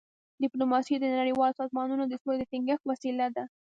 ډيپلوماسي د نړیوالو سازمانونو د سولي د ټینګښت وسیله ده.